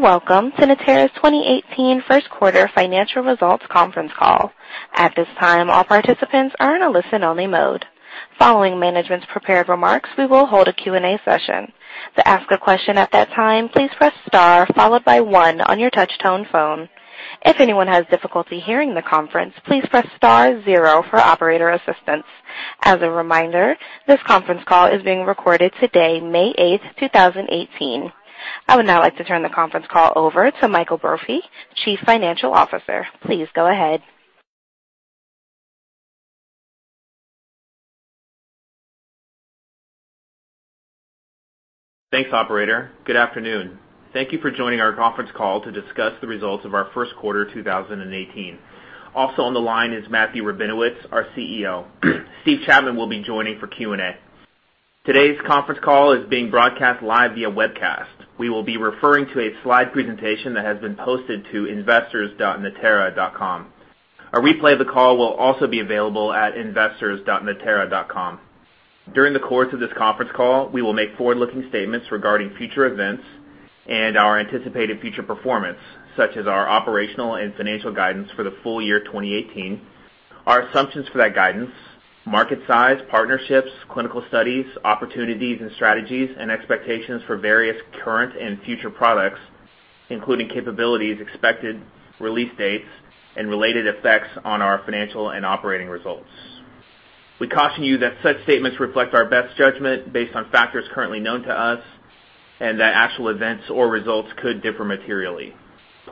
Welcome to Natera's 2018 first quarter financial results conference call. At this time, all participants are in a listen-only mode. Following management's prepared remarks, we will hold a Q&A session. To ask a question at that time, please press star followed by one on your touch-tone phone. If anyone has difficulty hearing the conference, please press star zero for operator assistance. As a reminder, this conference call is being recorded today, May 8th, 2018. I would now like to turn the conference call over to Mike Brophy, Chief Financial Officer. Please go ahead. Thanks, operator. Good afternoon. Thank you for joining our conference call to discuss the results of our first quarter 2018. Also on the line is Matthew Rabinowitz, our CEO. Steve Chapman will be joining for Q&A. Today's conference call is being broadcast live via webcast. We will be referring to a slide presentation that has been posted to investors.natera.com. A replay of the call will also be available at investors.natera.com. During the course of this conference call, we will make forward-looking statements regarding future events and our anticipated future performance, such as our operational and financial guidance for the full year 2018, our assumptions for that guidance, market size, partnerships, clinical studies, opportunities and strategies, and expectations for various current and future products, including capabilities, expected release dates, and related effects on our financial and operating results. We caution you that such statements reflect our best judgment based on factors currently known to us, and that actual events or results could differ materially.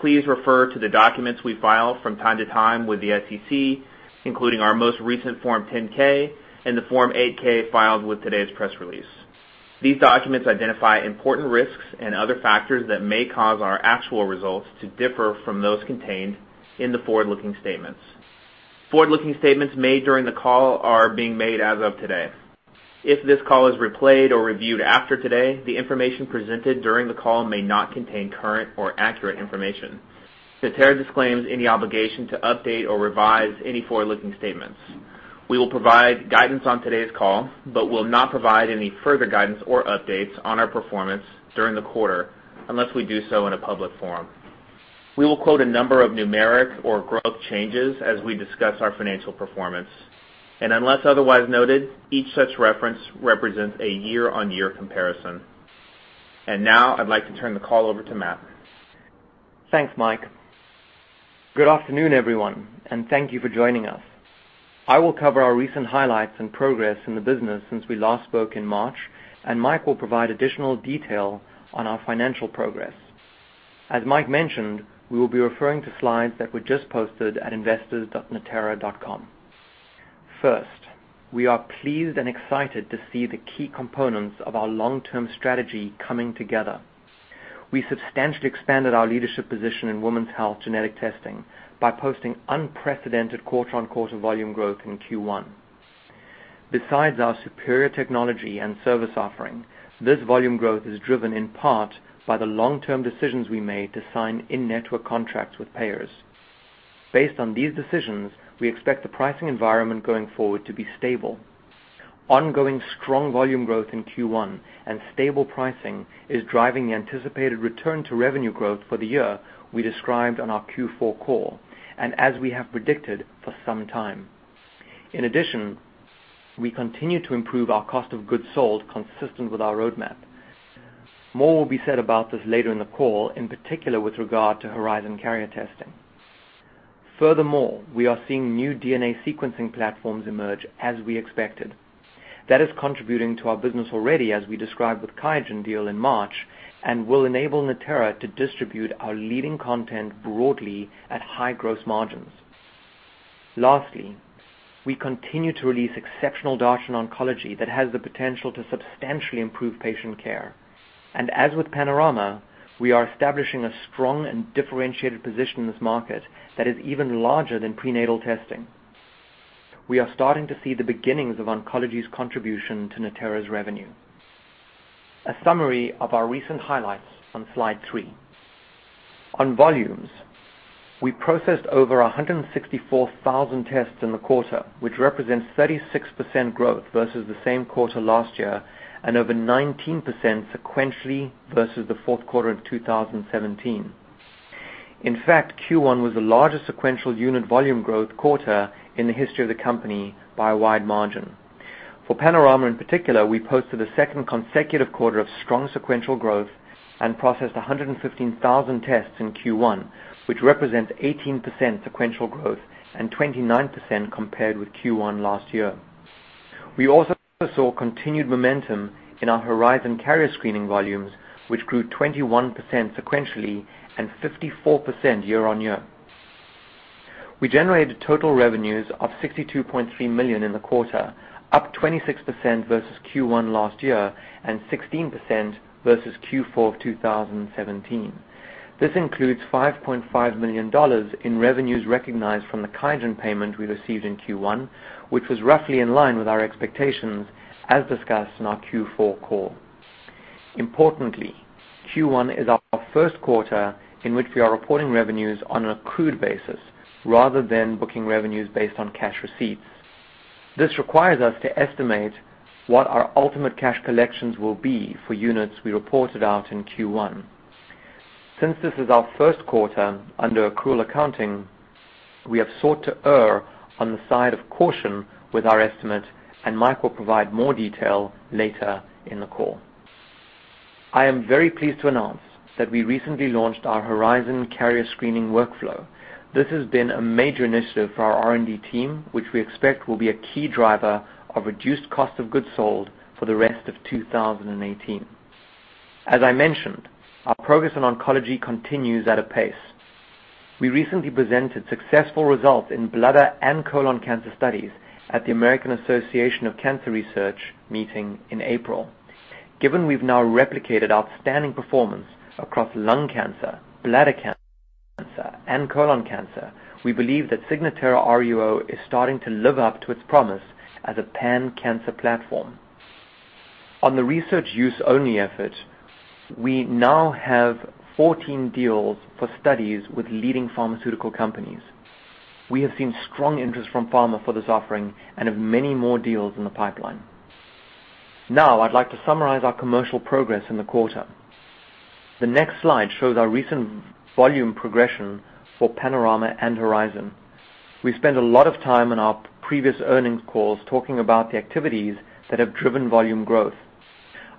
Please refer to the documents we file from time to time with the SEC, including our most recent Form 10-K and the Form 8-K filed with today's press release. These documents identify important risks and other factors that may cause our actual results to differ from those contained in the forward-looking statements. Forward-looking statements made during the call are being made as of today. If this call is replayed or reviewed after today, the information presented during the call may not contain current or accurate information. Natera disclaims any obligation to update or revise any forward-looking statements. We will provide guidance on today's call, but will not provide any further guidance or updates on our performance during the quarter unless we do so in a public forum. We will quote a number of numeric or growth changes as we discuss our financial performance, and unless otherwise noted, each such reference represents a year-on-year comparison. Now I'd like to turn the call over to Matt. Thanks, Mike. Good afternoon, everyone, and thank you for joining us. I will cover our recent highlights and progress in the business since we last spoke in March, and Mike will provide additional detail on our financial progress. As Mike mentioned, we will be referring to slides that were just posted at investors.natera.com. We are pleased and excited to see the key components of our long-term strategy coming together. We substantially expanded our leadership position in women's health genetic testing by posting unprecedented quarter-on-quarter volume growth in Q1. Besides our superior technology and service offering, this volume growth is driven in part by the long-term decisions we made to sign in-network contracts with payers. Based on these decisions, we expect the pricing environment going forward to be stable. Ongoing strong volume growth in Q1 and stable pricing is driving the anticipated return to revenue growth for the year we described on our Q4 call, and as we have predicted for some time. We continue to improve our cost of goods sold consistent with our roadmap. More will be said about this later in the call, in particular with regard to Horizon carrier testing. We are seeing new DNA sequencing platforms emerge as we expected. That is contributing to our business already as we described with QIAGEN deal in March and will enable Natera to distribute our leading content broadly at high gross margins. We continue to release exceptional data in oncology that has the potential to substantially improve patient care. As with Panorama, we are establishing a strong and differentiated position in this market that is even larger than prenatal testing. We are starting to see the beginnings of oncology's contribution to Natera's revenue. A summary of our recent highlights on slide three. On volumes, we processed over 164,000 tests in the quarter, which represents 36% growth versus the same quarter last year and over 19% sequentially versus the fourth quarter of 2017. In fact, Q1 was the largest sequential unit volume growth quarter in the history of the company by a wide margin. For Panorama in particular, we posted a second consecutive quarter of strong sequential growth and processed 115,000 tests in Q1, which represents 18% sequential growth and 29% compared with Q1 last year. We also saw continued momentum in our Horizon carrier screening volumes, which grew 21% sequentially and 54% year-on-year. We generated total revenues of $62.3 million in the quarter, up 26% versus Q1 last year and 16% versus Q4 of 2017. This includes $5.5 million in revenues recognized from the QIAGEN payment we received in Q1, which was roughly in line with our expectations as discussed in our Q4 call. Q1 is our first quarter in which we are reporting revenues on an accrued basis rather than booking revenues based on cash receipts. This requires us to estimate what our ultimate cash collections will be for units we reported out in Q1. This is our first quarter under accrual accounting, we have sought to err on the side of caution with our estimate, and Mike will provide more detail later in the call. I am very pleased to announce that we recently launched our Horizon carrier screening workflow. This has been a major initiative for our R&D team, which we expect will be a key driver of reduced cost of goods sold for the rest of 2018. As I mentioned, our progress in oncology continues at a pace. We recently presented successful results in bladder and colon cancer studies at the American Association for Cancer Research meeting in April. Given we've now replicated outstanding performance across lung cancer, bladder cancer, and colon cancer, we believe that Signatera RUO is starting to live up to its promise as a pan-cancer platform. On the research use only effort, we now have 14 deals for studies with leading pharmaceutical companies. We have seen strong interest from pharma for this offering and have many more deals in the pipeline. Now, I'd like to summarize our commercial progress in the quarter. The next slide shows our recent volume progression for Panorama and Horizon. We spent a lot of time on our previous earnings calls talking about the activities that have driven volume growth.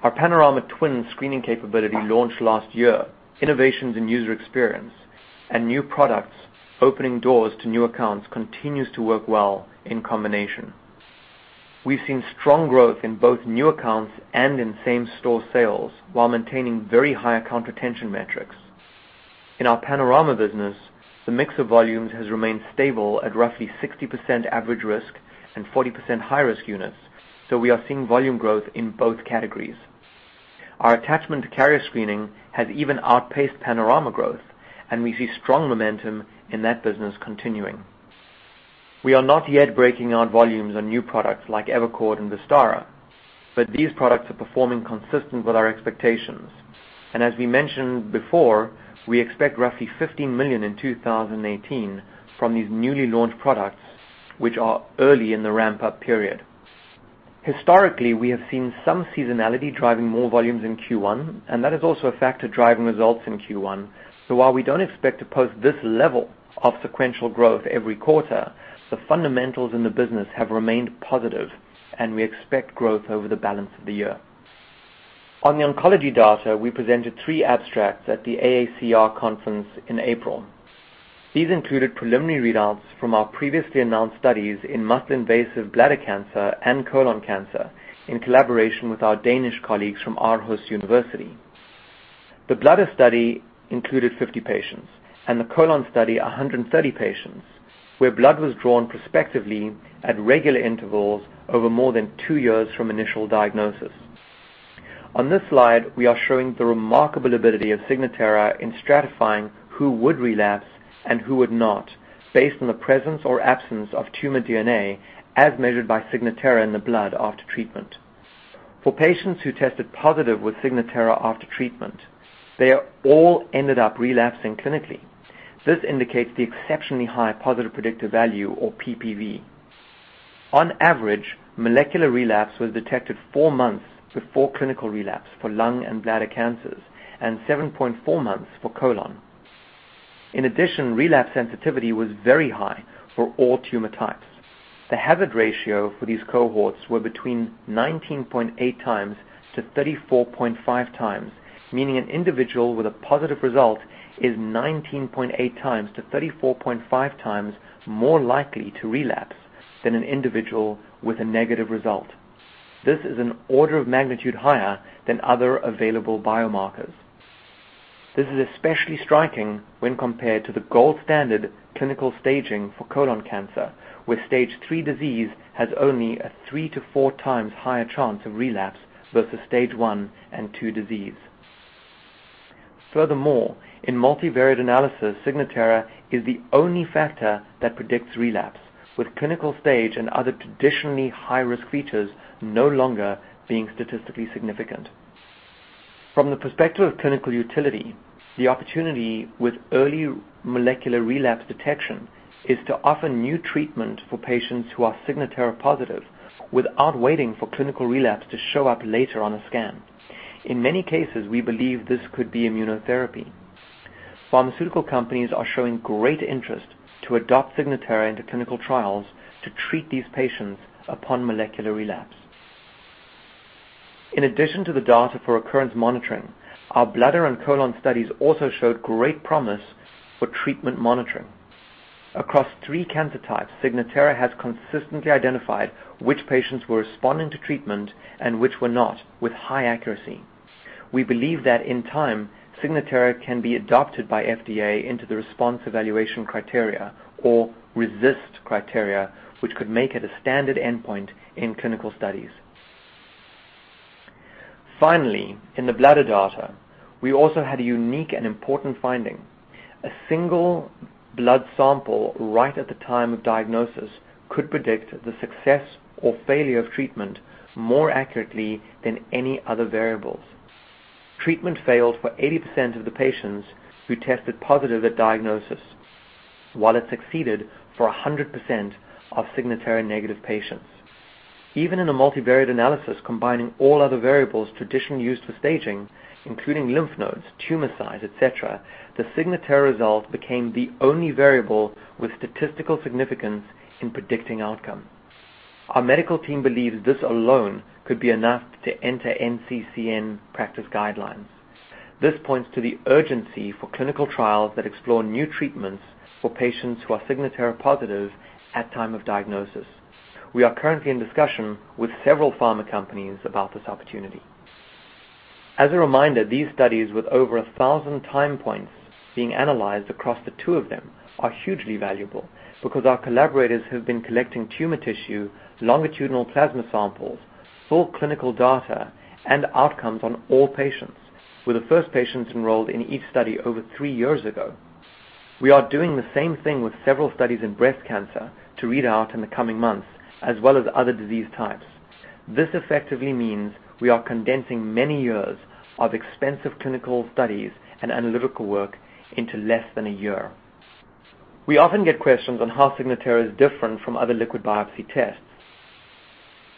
Our Panorama Twin screening capability launched last year. Innovations in user experience and new products opening doors to new accounts continues to work well in combination. We've seen strong growth in both new accounts and in same-store sales, while maintaining very high account retention metrics. In our Panorama business, the mix of volumes has remained stable at roughly 60% average risk and 40% high-risk units, we are seeing volume growth in both categories. Our attachment to carrier screening has even outpaced Panorama growth, and we see strong momentum in that business continuing. We are not yet breaking out volumes on new products like Evercord and Vistara, but these products are performing consistent with our expectations. As we mentioned before, we expect roughly $15 million in 2018 from these newly launched products, which are early in the ramp-up period. Historically, we have seen some seasonality driving more volumes in Q1, and that is also a factor driving results in Q1. While we don't expect to post this level of sequential growth every quarter, the fundamentals in the business have remained positive, and we expect growth over the balance of the year. On the oncology data, we presented three abstracts at the AACR conference in April. These included preliminary readouts from our previously announced studies in muscle-invasive bladder cancer and colon cancer in collaboration with our Danish colleagues from Aarhus University. The bladder study included 50 patients and the colon study 130 patients, where blood was drawn prospectively at regular intervals over more than two years from initial diagnosis. On this slide, we are showing the remarkable ability of Signatera in stratifying who would relapse and who would not based on the presence or absence of tumor DNA as measured by Signatera in the blood after treatment. For patients who tested positive with Signatera after treatment, they all ended up relapsing clinically. This indicates the exceptionally high positive predictive value or PPV. On average, molecular relapse was detected four months before clinical relapse for lung and bladder cancers and 7.4 months for colon. In addition, relapse sensitivity was very high for all tumor types. The hazard ratio for these cohorts were between 19.8 times to 34.5 times, meaning an individual with a positive result is 19.8 times to 34.5 times more likely to relapse than an individual with a negative result. This is an order of magnitude higher than other available biomarkers. This is especially striking when compared to the gold standard clinical staging for colon cancer, where stage 3 disease has only a three to four times higher chance of relapse versus stage 1 and 2 disease. In multivariate analysis, Signatera is the only factor that predicts relapse, with clinical stage and other traditionally high-risk features no longer being statistically significant. From the perspective of clinical utility, the opportunity with early molecular relapse detection is to offer new treatment for patients who are Signatera-positive without waiting for clinical relapse to show up later on a scan. In many cases, we believe this could be immunotherapy. Pharmaceutical companies are showing great interest to adopt Signatera into clinical trials to treat these patients upon molecular relapse. In addition to the data for recurrence monitoring, our bladder and colon studies also showed great promise for treatment monitoring. Across three cancer types, Signatera has consistently identified which patients were responding to treatment and which were not with high accuracy. We believe that in time, Signatera can be adopted by FDA into the response evaluation criteria or RECIST criteria, which could make it a standard endpoint in clinical studies. In the bladder data, we also had a unique and important finding. A single blood sample right at the time of diagnosis could predict the success or failure of treatment more accurately than any other variables. Treatment failed for 80% of the patients who tested positive at diagnosis, while it succeeded for 100% of Signatera negative patients. Even in a multivariate analysis combining all other variables traditionally used for staging, including lymph nodes, tumor size, et cetera, the Signatera result became the only variable with statistical significance in predicting outcome. Our medical team believes this alone could be enough to enter NCCN practice guidelines. This points to the urgency for clinical trials that explore new treatments for patients who are Signatera positive at time of diagnosis. We are currently in discussion with several pharma companies about this opportunity. As a reminder, these studies, with over 1,000 time points being analyzed across the two of them, are hugely valuable because our collaborators have been collecting tumor tissue, longitudinal plasma samples, full clinical data, and outcomes on all patients with the first patients enrolled in each study over three years ago. We are doing the same thing with several studies in breast cancer to read out in the coming months, as well as other disease types. This effectively means we are condensing many years of expensive clinical studies and analytical work into less than a year. We often get questions on how Signatera is different from other liquid biopsy tests.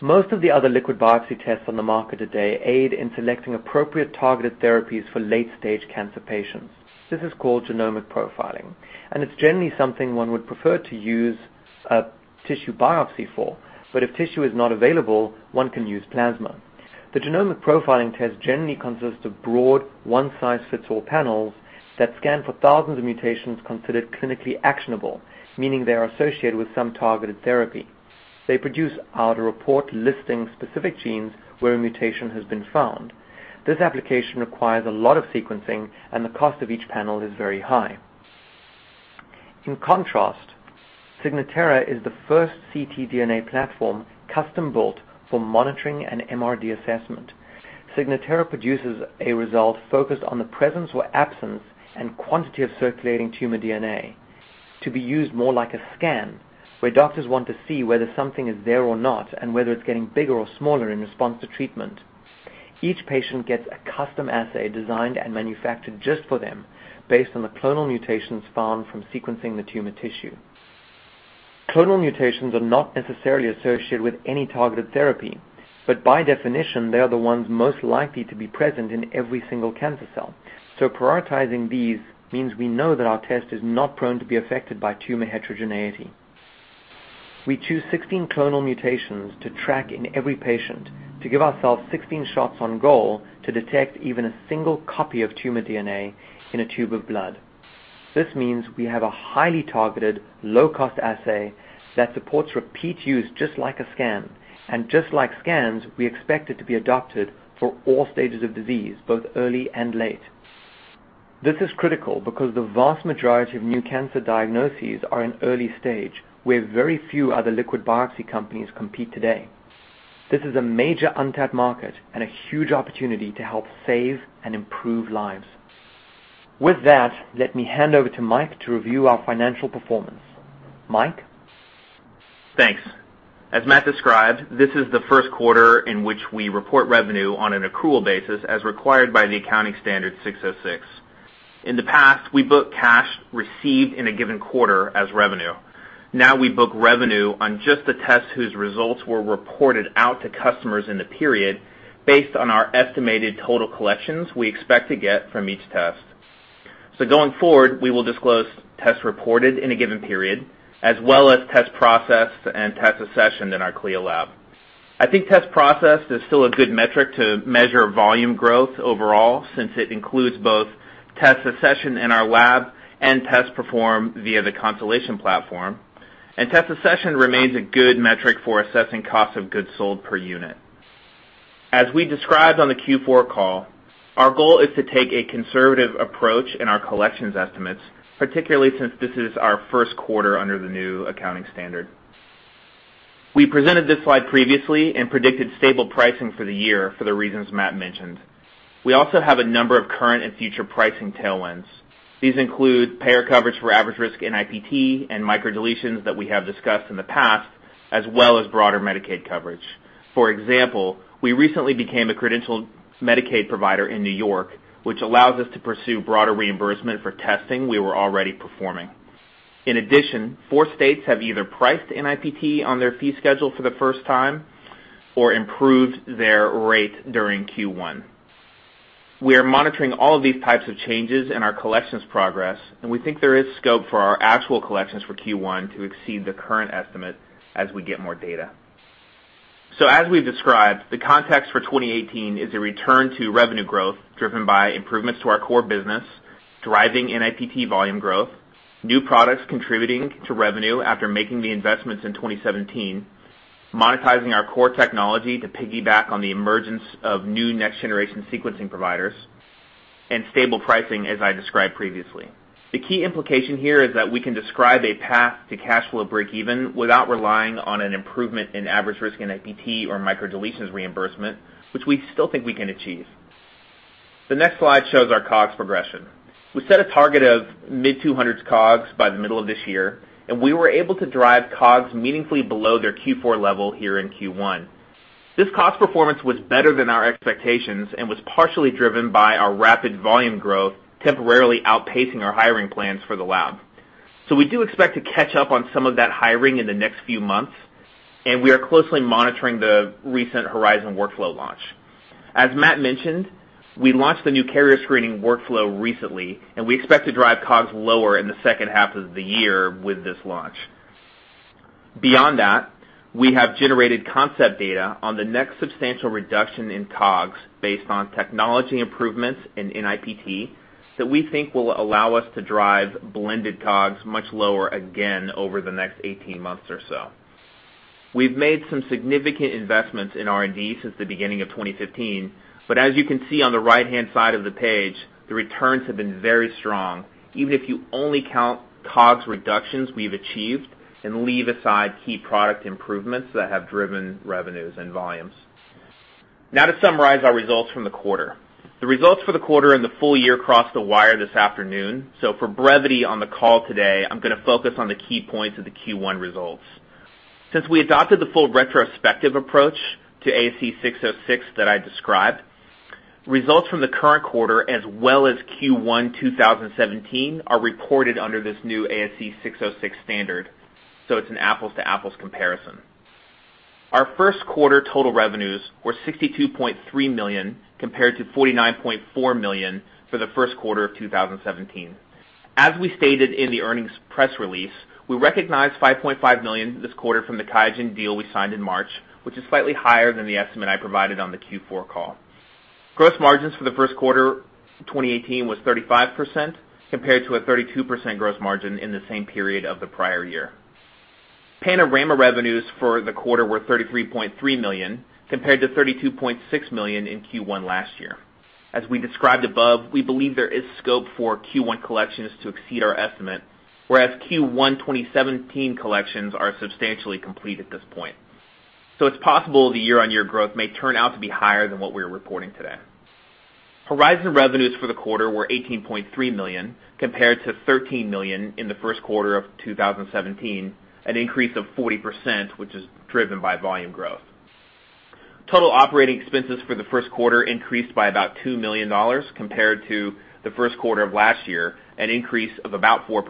Most of the other liquid biopsy tests on the market today aid in selecting appropriate targeted therapies for late-stage cancer patients. This is called genomic profiling, and it's generally something one would prefer to use a tissue biopsy for. If tissue is not available, one can use plasma. The genomic profiling test generally consists of broad, one-size-fits-all panels that scan for thousands of mutations considered clinically actionable, meaning they are associated with some targeted therapy. They produce out a report listing specific genes where a mutation has been found. This application requires a lot of sequencing, and the cost of each panel is very high. In contrast, Signatera is the first ctDNA platform custom-built for monitoring and MRD assessment. Signatera produces a result focused on the presence or absence and quantity of circulating tumor DNA to be used more like a scan, where doctors want to see whether something is there or not and whether it's getting bigger or smaller in response to treatment. Each patient gets a custom assay designed and manufactured just for them based on the clonal mutations found from sequencing the tumor tissue. By definition, they are the ones most likely to be present in every single cancer cell. Prioritizing these means we know that our test is not prone to be affected by tumor heterogeneity. We choose 16 clonal mutations to track in every patient to give ourselves 16 shots on goal to detect even a single copy of tumor DNA in a tube of blood. This means we have a highly targeted, low-cost assay that supports repeat use, just like a scan. Just like scans, we expect it to be adopted for all stages of disease, both early and late. This is critical because the vast majority of new cancer diagnoses are in early stage, where very few other liquid biopsy companies compete today. This is a major untapped market and a huge opportunity to help save and improve lives. With that, let me hand over to Mike to review our financial performance. Mike? Thanks. As Matt described, this is the first quarter in which we report revenue on an accrual basis as required by the accounting standard 606. In the past, we booked cash received in a given quarter as revenue. Now, we book revenue on just the tests whose results were reported out to customers in the period, based on our estimated total collections we expect to get from each test. Going forward, we will disclose tests reported in a given period as well as tests processed and tests accessioned in our CLIA lab. I think tests processed is still a good metric to measure volume growth overall, since it includes both tests accessioned in our lab and tests performed via the Constellation platform, and tests accessioned remains a good metric for assessing cost of goods sold per unit. As we described on the Q4 call, our goal is to take a conservative approach in our collections estimates, particularly since this is our first quarter under the new accounting standard. We presented this slide previously and predicted stable pricing for the year for the reasons Matt mentioned. We also have a number of current and future pricing tailwinds. These include payer coverage for average-risk NIPT and microdeletions that we have discussed in the past, as well as broader Medicaid coverage. For example, we recently became a credentialed Medicaid provider in New York, which allows us to pursue broader reimbursement for testing we were already performing. Four states have either priced NIPT on their fee schedule for the first time or improved their rate during Q1. We are monitoring all of these types of changes in our collections progress, and we think there is scope for our actual collections for Q1 to exceed the current estimate as we get more data. As we've described, the context for 2018 is a return to revenue growth driven by improvements to our core business, driving NIPT volume growth, new products contributing to revenue after making the investments in 2017, monetizing our core technology to piggyback on the emergence of new next-generation sequencing providers, and stable pricing, as I described previously. The key implication here is that we can describe a path to cash flow breakeven without relying on an improvement in average-risk NIPT or microdeletions reimbursement, which we still think we can achieve. The next slide shows our COGS progression. We set a target of mid-200 COGS by the middle of this year, and we were able to drive COGS meaningfully below their Q4 level here in Q1. This cost performance was better than our expectations and was partially driven by our rapid volume growth temporarily outpacing our hiring plans for the lab. We do expect to catch up on some of that hiring in the next few months, and we are closely monitoring the recent Horizon workflow launch. As Matt mentioned, we launched the new carrier screening workflow recently, and we expect to drive COGS lower in the second half of the year with this launch. Beyond that, we have generated concept data on the next substantial reduction in COGS based on technology improvements in NIPT that we think will allow us to drive blended COGS much lower again over the next 18 months or so. We've made some significant investments in R&D since the beginning of 2015, as you can see on the right-hand side of the page, the returns have been very strong, even if you only count COGS reductions we've achieved and leave aside key product improvements that have driven revenues and volumes. To summarize our results from the quarter. The results for the quarter and the full year crossed the wire this afternoon, for brevity on the call today, I'm going to focus on the key points of the Q1 results. Since we adopted the full retrospective approach to ASC 606 that I described, results from the current quarter as well as Q1 2017 are reported under this new ASC 606 standard. It's an apples-to-apples comparison. Our first quarter total revenues were $62.3 million, compared to $49.4 million for the first quarter of 2017. As we stated in the earnings press release, we recognized $5.5 million this quarter from the QIAGEN deal we signed in March, which is slightly higher than the estimate I provided on the Q4 call. Gross margins for the first quarter 2018 was 35%, compared to a 32% gross margin in the same period of the prior year. Panorama revenues for the quarter were $33.3 million, compared to $32.6 million in Q1 last year. As we described above, we believe there is scope for Q1 collections to exceed our estimate, whereas Q1 2017 collections are substantially complete at this point. It's possible the year-on-year growth may turn out to be higher than what we are reporting today. Horizon revenues for the quarter were $18.3 million, compared to $13 million in the first quarter of 2017, an increase of 40%, which is driven by volume growth. Total operating expenses for the first quarter increased by about $2 million compared to the first quarter of last year, an increase of about 4%.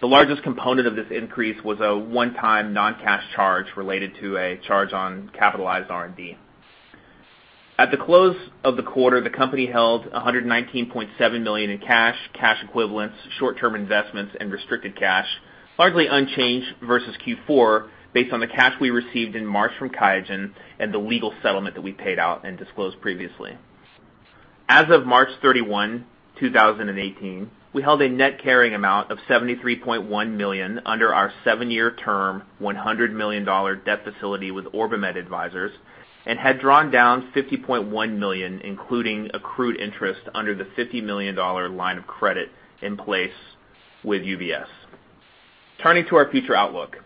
The largest component of this increase was a one-time non-cash charge related to a charge on capitalized R&D. At the close of the quarter, the company held $119.7 million in cash equivalents, short-term investments, and restricted cash, largely unchanged versus Q4 based on the cash we received in March from QIAGEN and the legal settlement that we paid out and disclosed previously. As of March 31, 2018, we held a net carrying amount of $73.1 million under our seven-year term $100 million debt facility with OrbiMed Advisors and had drawn down $50.1 million, including accrued interest under the $50 million line of credit in place with UBS. Turning to our future outlook.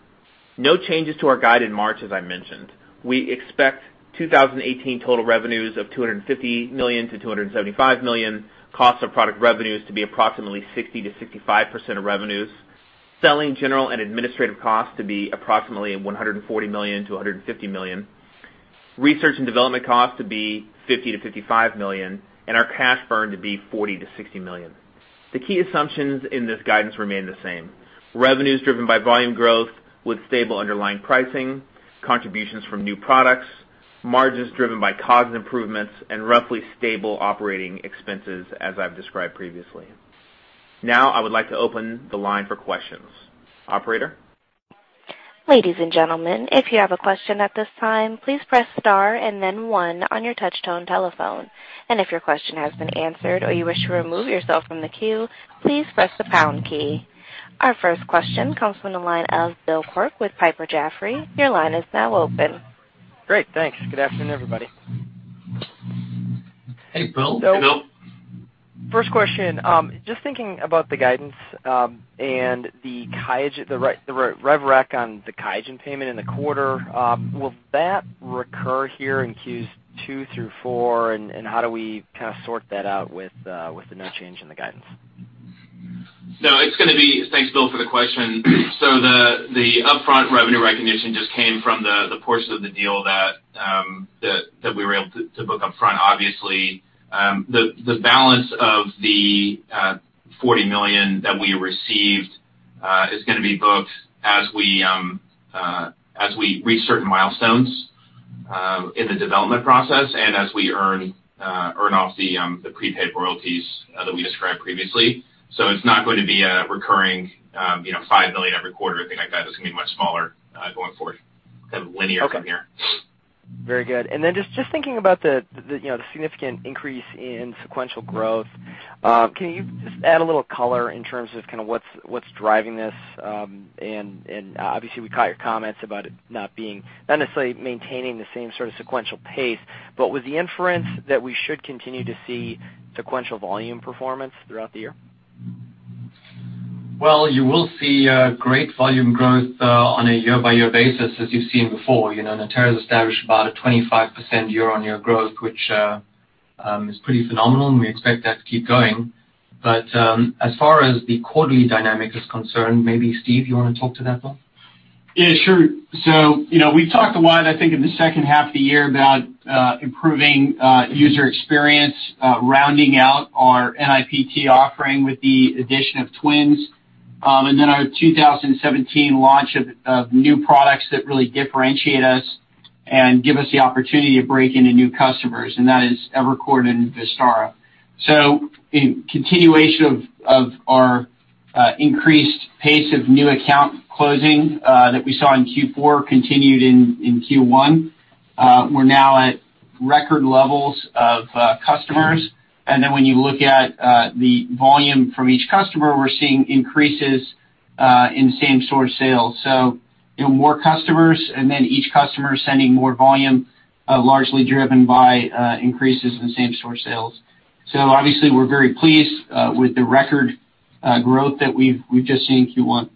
No changes to our guide in March, as I mentioned. We expect 2018 total revenues of $250 million-$275 million, Cost of product revenues to be approximately 60%-65% of revenues, Selling, general, and administrative costs to be approximately $140 million-$150 million, Research and development costs to be $50 million-$55 million, and our cash burn to be $40 million-$60 million. The key assumptions in this guidance remain the same: revenues driven by volume growth with stable underlying pricing, contributions from new products, margins driven by COGS improvements, and roughly stable operating expenses as I've described previously. I would like to open the line for questions. Operator? Ladies and gentlemen, if you have a question at this time, please press star and then 1 on your touch-tone telephone. If your question has been answered or you wish to remove yourself from the queue, please press the pound key. Our first question comes from the line of Bill Quirk with Piper Jaffray. Your line is now open. Great, thanks. Good afternoon, everybody. Hey, Bill. Hey, Bill. First question, just thinking about the guidance and the rev rec on the QIAGEN payment in the quarter, will that recur here in Q2 through 4 and how do we sort that out with the no change in the guidance? No. Thanks, Bill, for the question. The upfront revenue recognition just came from the portion of the deal that we were able to book upfront, obviously. The balance of the $40 million that we received is going to be booked as we reach certain milestones in the development process and as we earn off the prepaid royalties that we described previously. It's not going to be a recurring $5 million every quarter or anything like that. It's going to be much smaller going forward. Kind of linear from here. Okay. Very good. Then just thinking about the significant increase in sequential growth, can you just add a little color in terms of what's driving this? Obviously we caught your comments about it not necessarily maintaining the same sort of sequential pace, but with the inference that we should continue to see sequential volume performance throughout the year. Well, you will see great volume growth on a year-over-year basis as you've seen before. Natera's established about a 25% year-over-year growth, which is pretty phenomenal, and we expect that to keep going. As far as the quarterly dynamic is concerned, maybe Steve, you want to talk to that, Bill? Yeah, sure. We've talked a lot, I think, in the second half of the year about improving user experience, rounding out our NIPT offering with the addition of twins. Then our 2017 launch of new products that really differentiate us and give us the opportunity to break into new customers, and that is Evercord and Vistara. In continuation of our increased pace of new account closing that we saw in Q4 continued in Q1. We're now at record levels of customers. Then when you look at the volume from each customer, we're seeing increases in same-store sales. More customers, and then each customer sending more volume, largely driven by increases in same-store sales. Obviously, we're very pleased with the record growth that we've just seen in Q1.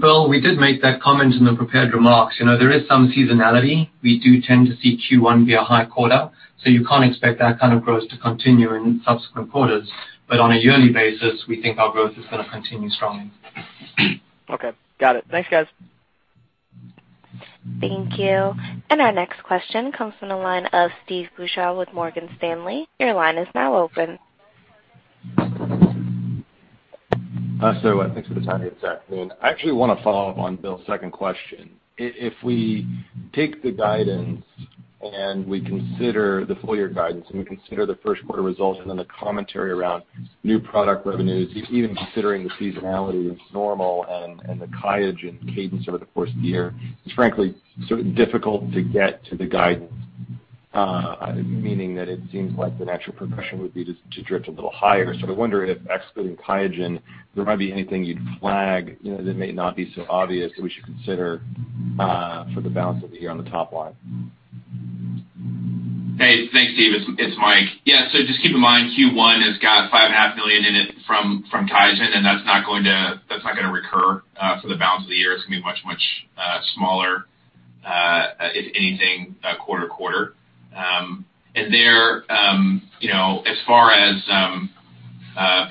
Bill, we did make that comment in the prepared remarks. There is some seasonality. We do tend to see Q1 be a high quarter, so you can't expect that kind of growth to continue in subsequent quarters. On a yearly basis, we think our growth is going to continue strongly. Okay, got it. Thanks, guys. Thank you. Our next question comes from the line of Steve Beuchaw with Morgan Stanley. Your line is now open. Hi, sir. Thanks for the time here this afternoon. I actually want to follow up on Bill's second question. If we take the guidance and we consider the full-year guidance and we consider the first quarter results and then the commentary around new product revenues, even considering the seasonality is normal and the QIAGEN cadence over the course of the year, it's frankly sort of difficult to get to the guidance. Meaning that it seems like the natural progression would be to drift a little higher. I wonder if excluding QIAGEN, there might be anything you'd flag that may not be so obvious that we should consider for the balance of the year on the top line. Hey, thanks, Steve. It's Mike. Yeah, just keep in mind, Q1 has got five and a half million in it from QIAGEN, and that's not going to recur for the balance of the year. It's going to be much, much smaller, if anything, quarter to quarter. There, as far as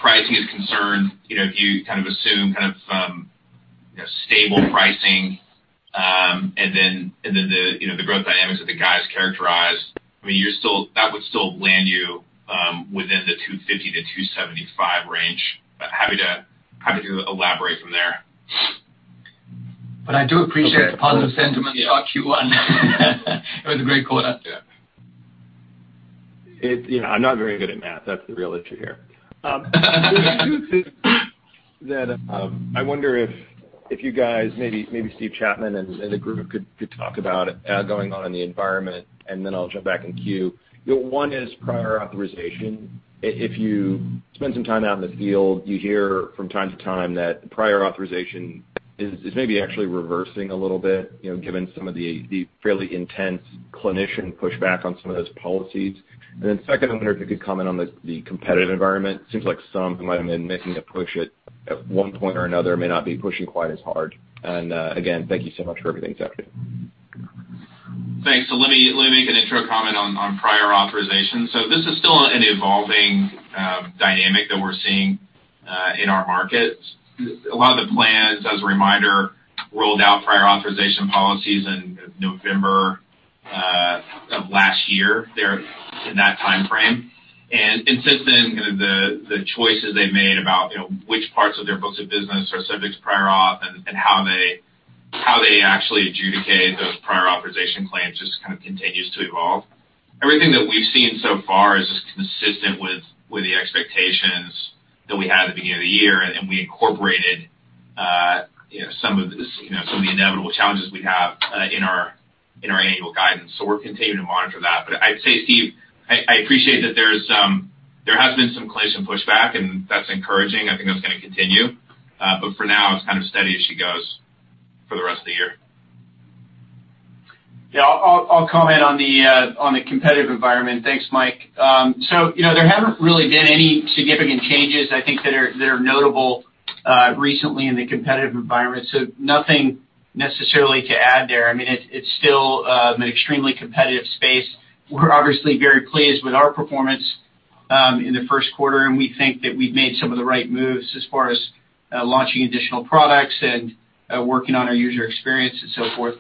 pricing is concerned, if you assume stable pricing and then the growth dynamics that the guys characterized, that would still land you within the $250-$275 range. Happy to elaborate from there. I do appreciate the positive sentiment about Q1. It was a great quarter. Yeah. I'm not very good at math. That's the real issue here. There's two things that I wonder if you guys, maybe Steve Chapman and the group could talk about going on in the environment, then I'll jump back in queue. One is prior authorization. If you spend some time out in the field, you hear from time to time that prior authorization is maybe actually reversing a little bit, given some of the fairly intense clinician pushback on some of those policies. Then second, I wonder if you could comment on the competitive environment. Seems like some who might have been making a push at one point or another may not be pushing quite as hard. Again, thank you so much for everything. It's appreciated. Thanks. Let me make an intro comment on prior authorization. This is still an evolving dynamic that we're seeing in our markets. A lot of the plans, as a reminder, rolled out prior authorization policies in November of last year, in that timeframe. Since then, the choices they've made about which parts of their books of business are subject to prior auth and how they actually adjudicate those prior authorization claims just continues to evolve. Everything that we've seen so far is consistent with the expectations that we had at the beginning of the year, and we incorporated some of the inevitable challenges we'd have in our annual guidance. We're continuing to monitor that. I'd say, Steve, I appreciate that there has been some clinician pushback, and that's encouraging. I think that's going to continue. For now, it's kind of steady as she goes for the rest of the year. Yeah. I'll comment on the competitive environment. Thanks, Mike. There haven't really been any significant changes, I think, that are notable recently in the competitive environment. Nothing necessarily to add there. It's still an extremely competitive space. We're obviously very pleased with our performance in the first quarter, and we think that we've made some of the right moves as far as launching additional products and working on our user experience and so forth.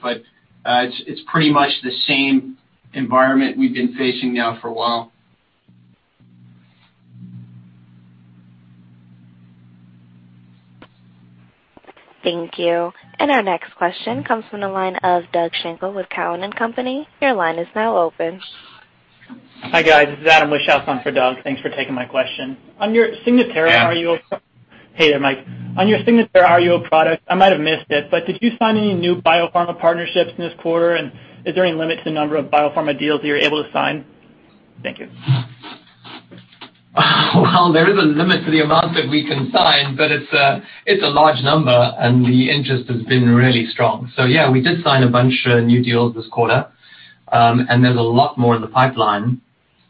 It's pretty much the same environment we've been facing now for a while. Thank you. Our next question comes from the line of Doug Schenkel with Cowen and Company. Your line is now open. Hi, guys. This is Adam Wishoff on for Doug. Thanks for taking my question. Adam. Hey there, Mike. On your Signatera RUO product, I might have missed it, but did you sign any new biopharma partnerships in this quarter? Is there any limit to the number of biopharma deals that you're able to sign? Thank you. Well, there is a limit to the amount that we can sign, it's a large number, and the interest has been really strong. Yeah, we did sign a bunch of new deals this quarter, and there's a lot more in the pipeline.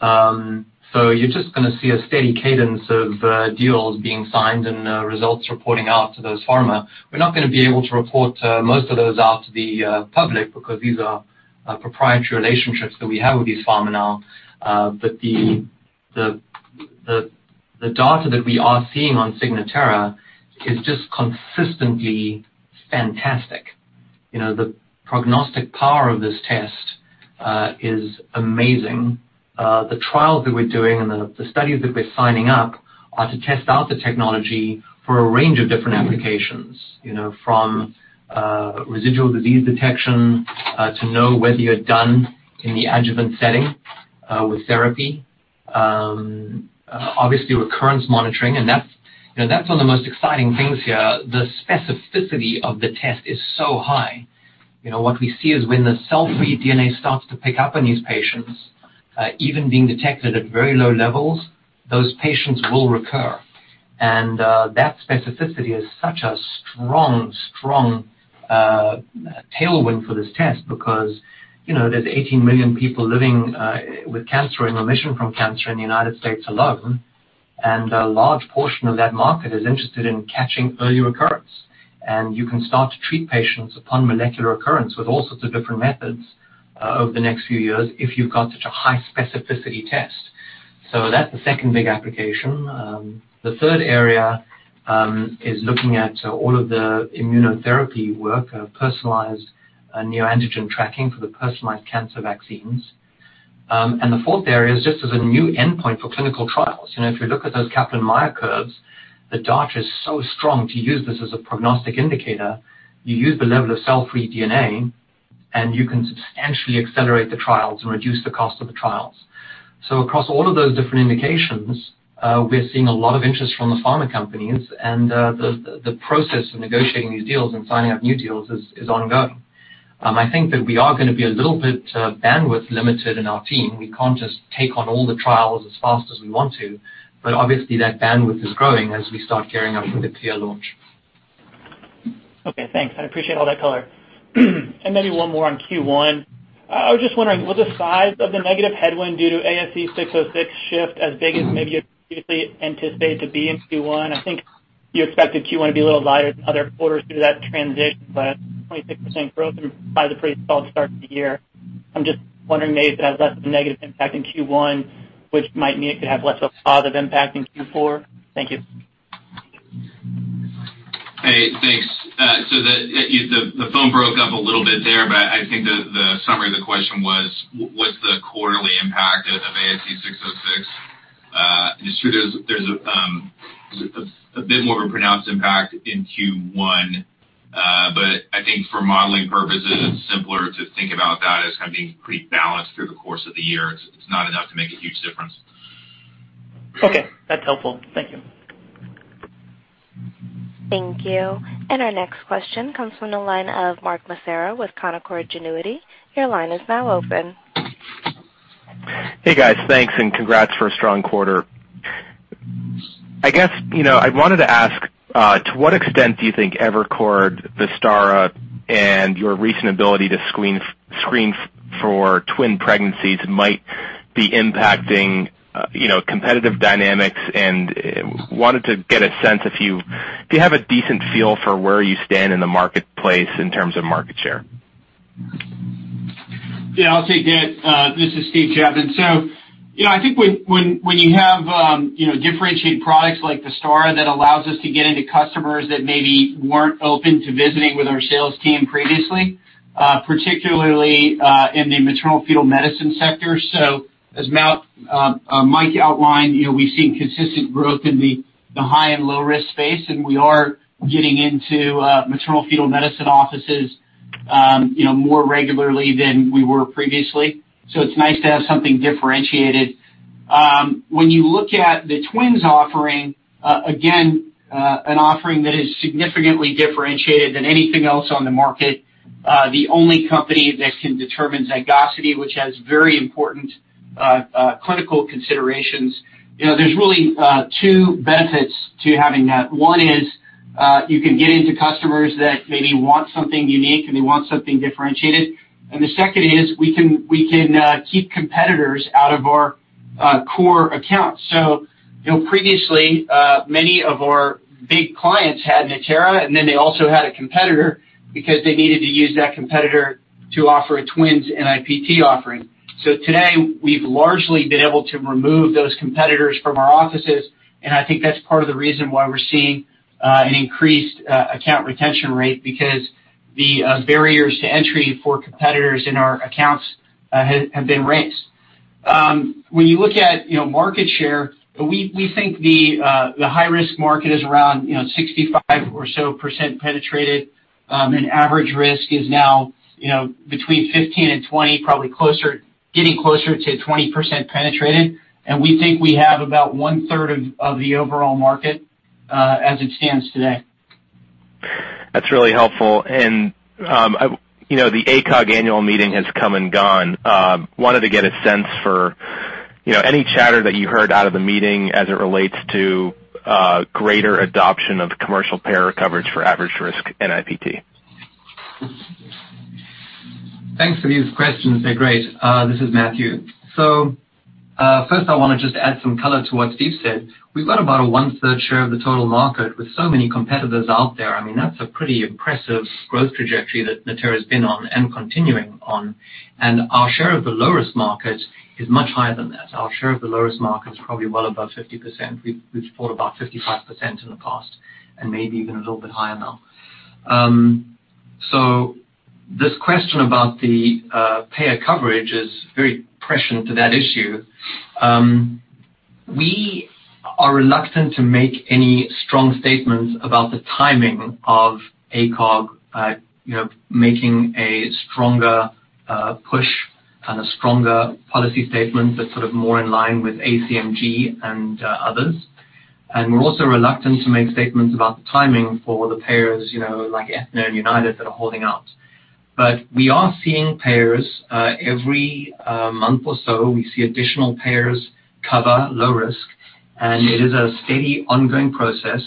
You're just going to see a steady cadence of deals being signed and results reporting out to those pharma. We're not going to be able to report most of those out to the public because these are proprietary relationships that we have with these pharma now. The data that we are seeing on Signatera is just consistently fantastic. The prognostic power of this test is amazing. The trials that we're doing and the studies that we're signing up are to test out the technology for a range of different applications, from residual disease detection to know whether you're done in the adjuvant setting with therapy. Obviously, recurrence monitoring, and that's one of the most exciting things here. The specificity of the test is so high. What we see is when the cell-free DNA starts to pick up on these patients, even being detected at very low levels, those patients will recur. That specificity is such a strong tailwind for this test because there's 18 million people living with cancer, in remission from cancer in the U.S. alone. A large portion of that market is interested in catching early recurrence. You can start to treat patients upon molecular recurrence with all sorts of different methods over the next few years if you've got such a high specificity test. That's the second big application. The third area is looking at all of the immunotherapy work, personalized neoantigen tracking for the personalized cancer vaccines. The fourth area is just as a new endpoint for clinical trials. If you look at those Kaplan-Meier curves, the data is so strong to use this as a prognostic indicator. You use the level of cell-free DNA, you can substantially accelerate the trials and reduce the cost of the trials. Across all of those different indications, we're seeing a lot of interest from the pharma companies and the process of negotiating these deals and signing up new deals is ongoing. I think that we are going to be a little bit bandwidth limited in our team. We can't just take on all the trials as fast as we want to, obviously that bandwidth is growing as we start gearing up for the CLIA launch. Okay, thanks. I appreciate all that color. Maybe one more on Q1. I was just wondering, was the size of the negative headwind due to ASC 606 shift as big as maybe you previously anticipated to be in Q1? I think you expected Q1 to be a little lighter than other quarters due to that transition, 26% growth and probably the pretty solid start to the year. I'm just wondering maybe if that has less of a negative impact in Q1, which might mean it could have less of a positive impact in Q4. Thank you. Hey, thanks. The phone broke up a little bit there, I think the summary of the question was, what's the quarterly impact of ASC 606? It's true there's a bit more of a pronounced impact in Q1, I think for modeling purposes, it's simpler to think about that as kind of being pretty balanced through the course of the year. It's not enough to make a huge difference. Okay, that's helpful. Thank you. Thank you. Our next question comes from the line of Mark Massaro with Canaccord Genuity. Your line is now open. Hey, guys. Thanks, and congrats for a strong quarter. I guess I wanted to ask, to what extent do you think Evercord, Vistara, and your recent ability to screen for twin pregnancies might be impacting competitive dynamics? Wanted to get a sense if you have a decent feel for where you stand in the marketplace in terms of market share. Yeah, I'll take that. This is Steve Chapman. I think when you have differentiated products like Vistara that allows us to get into customers that maybe weren't open to visiting with our sales team previously, particularly in the maternal-fetal medicine sector. As Mike outlined, we've seen consistent growth in the high and low-risk space, and we are getting into maternal-fetal medicine offices more regularly than we were previously. It's nice to have something differentiated. When you look at the twins offering, again, an offering that is significantly differentiated than anything else on the market, the only company that can determine zygosity, which has very important clinical considerations. There's really two benefits to having that. One is you can get into customers that maybe want something unique and they want something differentiated, and the second is we can keep competitors out of our core accounts. Previously, many of our big clients had Natera, and then they also had a competitor because they needed to use that competitor to offer a twins NIPT offering. Today, we've largely been able to remove those competitors from our offices, and I think that's part of the reason why we're seeing an increased account retention rate because the barriers to entry for competitors in our accounts have been raised. When you look at market share, we think the high-risk market is around 65% or so penetrated, and average risk is now between 15% and 20%, probably getting closer to 20% penetrated. We think we have about 1/3 of the overall market as it stands today. That's really helpful. The ACOG annual meeting has come and gone. Wanted to get a sense for any chatter that you heard out of the meeting as it relates to greater adoption of commercial payer coverage for average-risk NIPT. Thanks for these questions. They're great. This is Matthew. First I want to just add some color to what Steve said. We've got about 1/3 share of the total market with so many competitors out there. I mean, that's a pretty impressive growth trajectory that Natera's been on and continuing on. Our share of the low-risk market is much higher than that. Our share of the low-risk market is probably well above 50%. We've fought about 55% in the past and maybe even a little bit higher now. This question about the payer coverage is very prescient to that issue. We are reluctant to make any strong statements about the timing of ACOG making a stronger push and a stronger policy statement that's sort of more in line with ACMG and others. We're also reluctant to make statements about the timing for the payers, like Aetna and United that are holding out. We are seeing payers, every month or so, we see additional payers cover low risk, and it is a steady, ongoing process.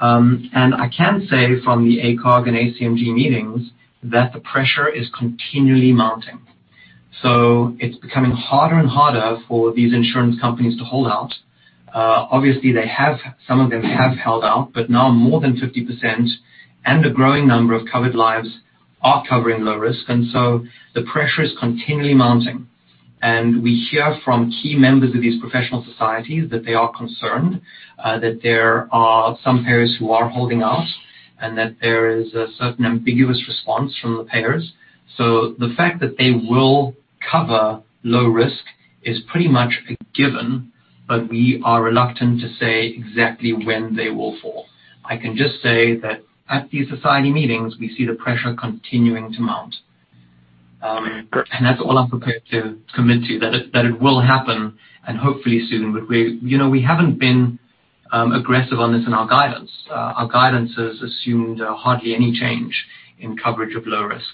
I can say from the ACOG and ACMG meetings that the pressure is continually mounting. It's becoming harder and harder for these insurance companies to hold out. Obviously, some of them have held out, but now more than 50% and a growing number of covered lives are covering low risk. The pressure is continually mounting. We hear from key members of these professional societies that they are concerned that there are some payers who are holding out and that there is a certain ambiguous response from the payers. The fact that they will cover low risk is pretty much a given, we are reluctant to say exactly when they will fall. I can just say that at these society meetings, we see the pressure continuing to mount. That's all I'm prepared to commit to, that it will happen and hopefully soon. We haven't been aggressive on this in our guidance. Our guidance has assumed hardly any change in coverage of low risk.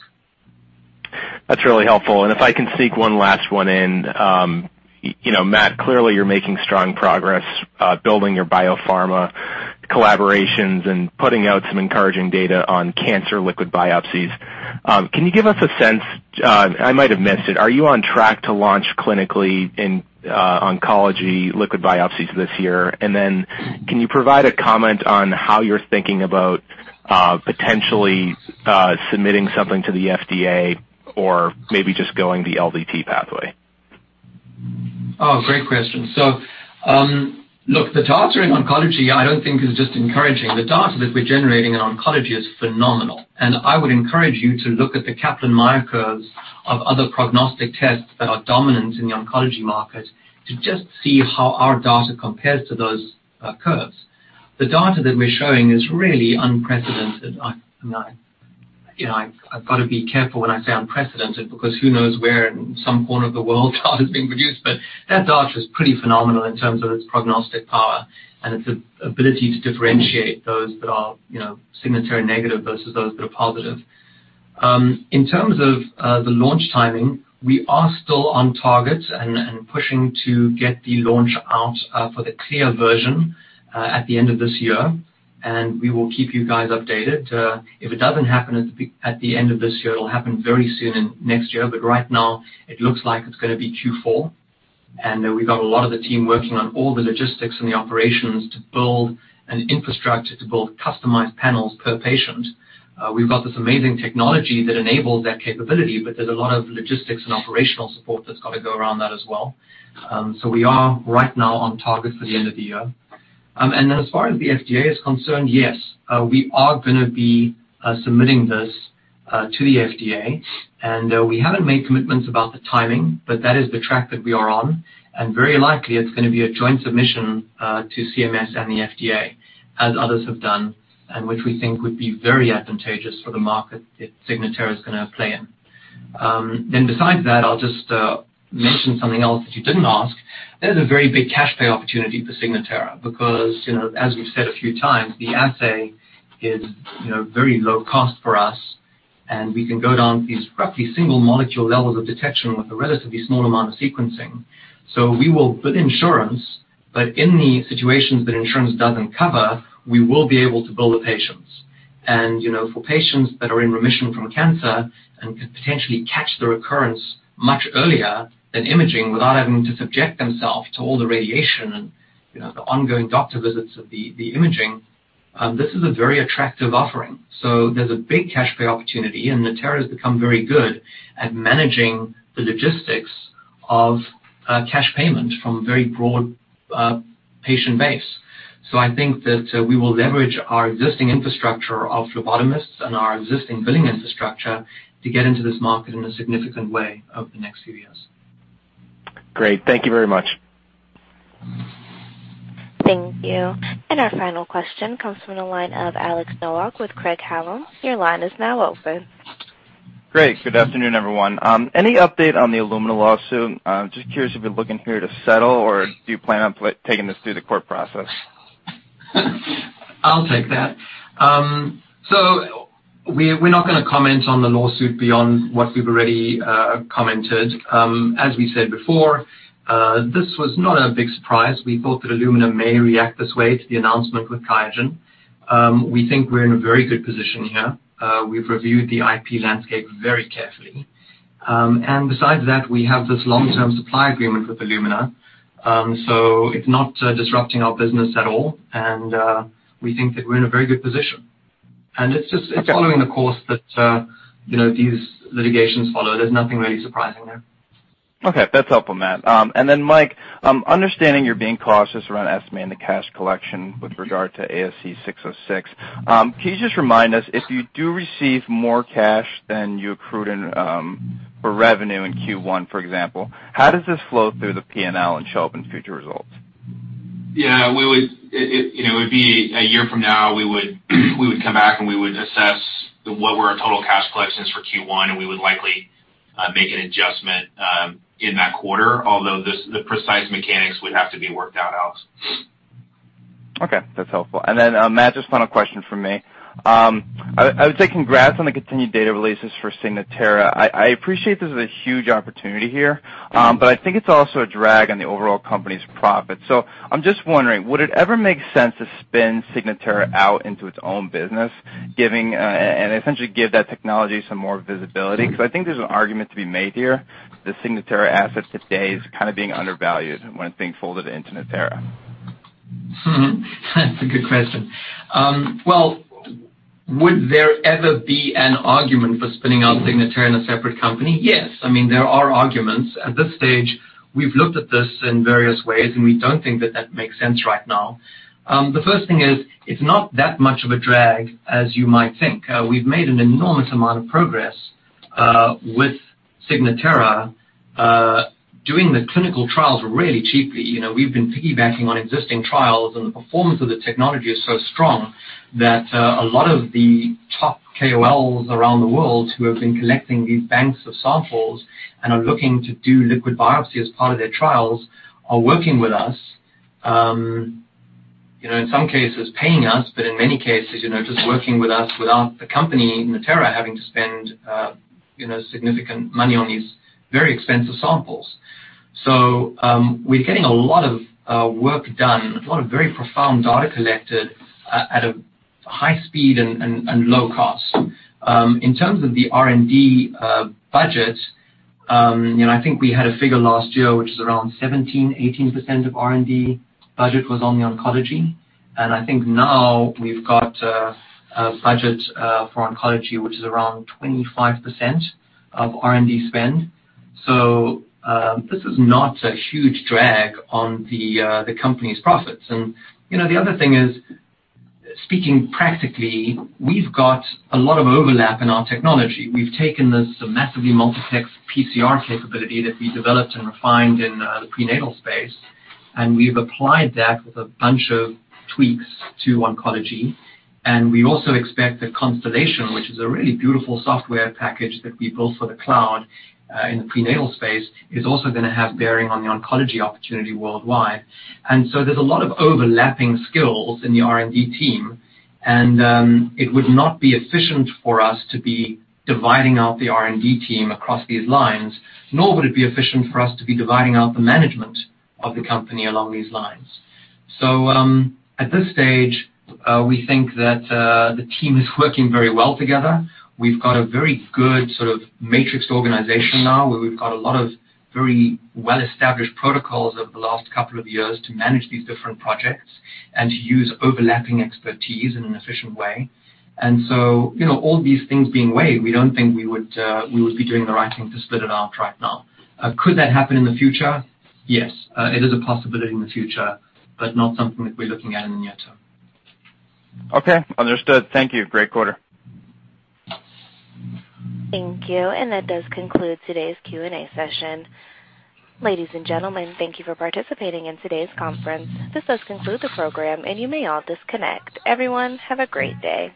That's really helpful. If I can sneak one last one in. Matt, clearly you're making strong progress building your biopharma collaborations and putting out some encouraging data on cancer liquid biopsies. Can you give us a sense, I might have missed it, are you on track to launch clinically in oncology liquid biopsies this year? Can you provide a comment on how you're thinking about potentially submitting something to the FDA or maybe just going the LDT pathway? Great question. Look, the data in oncology I don't think is just encouraging. The data that we're generating in oncology is phenomenal, and I would encourage you to look at the Kaplan-Meier curves of other prognostic tests that are dominant in the oncology market to just see how our data compares to those curves. The data that we're showing is really unprecedented. I've got to be careful when I say unprecedented, because who knows where in some corner of the world data's being produced, but that data is pretty phenomenal in terms of its prognostic power and its ability to differentiate those that are Signatera negative versus those that are positive. In terms of the launch timing, we are still on target and pushing to get the launch out for the CLIA version at the end of this year, and we will keep you guys updated. If it doesn't happen at the end of this year, it'll happen very soon in next year, but right now it looks like it's going to be Q4. We've got a lot of the team working on all the logistics and the operations to build an infrastructure, to build customized panels per patient. We've got this amazing technology that enables that capability, but there's a lot of logistics and operational support that's got to go around that as well. We are right now on target for the end of the year. As far as the FDA is concerned, yes, we are going to be submitting this to the FDA, and we haven't made commitments about the timing, but that is the track that we are on. Very likely it's going to be a joint submission to CMS and the FDA, as others have done, and which we think would be very advantageous for the market if Signatera is going to play in. Besides that, I'll just mention something else that you didn't ask. There's a very big cash pay opportunity for Signatera because, as we've said a few times, the assay is very low cost for us, and we can go down these roughly single molecule levels of detection with a relatively small amount of sequencing. We will bill insurance, but in the situations that insurance doesn't cover, we will be able to bill the patients. For patients that are in remission from cancer and could potentially catch the recurrence much earlier than imaging without having to subject themselves to all the radiation and the ongoing doctor visits of the imaging, this is a very attractive offering. There's a big cash pay opportunity, and Natera's become very good at managing the logistics of cash payment from a very broad patient base. I think that we will leverage our existing infrastructure of phlebotomists and our existing billing infrastructure to get into this market in a significant way over the next few years. Great. Thank you very much. Thank you. Our final question comes from the line of Alex Nowak with Craig-Hallum. Your line is now open. Great. Good afternoon, everyone. Any update on the Illumina lawsuit? Just curious if you're looking here to settle or do you plan on taking this through the court process? I'll take that. We're not going to comment on the lawsuit beyond what we've already commented. As we said before, this was not a big surprise. We thought that Illumina may react this way to the announcement with QIAGEN. We think we're in a very good position here. We've reviewed the IP landscape very carefully. Besides that, we have this long-term supply agreement with Illumina. It's not disrupting our business at all, and we think that we're in a very good position. Okay it's following the course that these litigations follow. There's nothing really surprising there. Okay, that's helpful, Matt. Mike, understanding you're being cautious around estimating the cash collection with regard to ASC 606, can you just remind us, if you do receive more cash than you accrued for revenue in Q1, for example, how does this flow through the P&L and show up in future results? Yeah. It would be a year from now, we would come back, and we would assess what were our total cash collections for Q1, and we would likely, make an adjustment, in that quarter. The precise mechanics would have to be worked out, Alex. Okay, that's helpful. Matt, just final question from me. I would say congrats on the continued data releases for Signatera. I appreciate this is a huge opportunity here. I think it's also a drag on the overall company's profit. I'm just wondering, would it ever make sense to spin Signatera out into its own business, and essentially give that technology some more visibility? I think there's an argument to be made here. The Signatera asset today is kind of being undervalued when it's being folded into Natera. That's a good question. Would there ever be an argument for spinning out Signatera in a separate company? Yes. There are arguments. At this stage, we've looked at this in various ways, and we don't think that that makes sense right now. The first thing is, it's not that much of a drag as you might think. We've made an enormous amount of progress with Signatera, doing the clinical trials really cheaply. We've been piggybacking on existing trials, and the performance of the technology is so strong that a lot of the top KOLs around the world who have been collecting these banks of samples and are looking to do liquid biopsy as part of their trials are working with us. In some cases paying us, but in many cases, just working with us without the company, Natera, having to spend significant money on these very expensive samples. We're getting a lot of work done, a lot of very profound data collected at a high speed and low cost. In terms of the R&D budget, I think we had a figure last year, which is around 17%, 18% of R&D budget was on the oncology. I think now we've got a budget for oncology, which is around 25% of R&D spend. This is not a huge drag on the company's profits. The other thing is, speaking practically, we've got a lot of overlap in our technology. We've taken this massively multiplex PCR capability that we developed and refined in the prenatal space, and we've applied that with a bunch of tweaks to oncology. We also expect that Constellation, which is a really beautiful software package that we built for the cloud, in the prenatal space, is also gonna have bearing on the oncology opportunity worldwide. There's a lot of overlapping skills in the R&D team, and it would not be efficient for us to be dividing out the R&D team across these lines, nor would it be efficient for us to be dividing out the management of the company along these lines. At this stage, we think that the team is working very well together. We've got a very good sort of matrixed organization now, where we've got a lot of very well-established protocols over the last couple of years to manage these different projects and to use overlapping expertise in an efficient way. All these things being weighed, we don't think we would be doing the right thing to split it out right now. Could that happen in the future? Yes. It is a possibility in the future, but not something that we're looking at in the near term. Okay. Understood. Thank you. Great quarter. Thank you. That does conclude today's Q&A session. Ladies and gentlemen, thank you for participating in today's conference. This does conclude the program, and you may all disconnect. Everyone, have a great day.